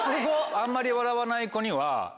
あんまり笑わない子には。